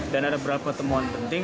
dan ada beberapa temuan penting